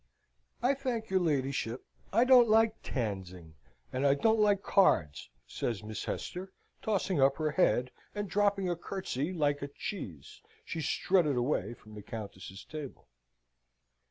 "I thank your ladyship, I don't like tanzing, and I don't like cards," says Miss Hester, tossing up her head; and, dropping a curtsey like a "cheese," she strutted away from the Countess's table.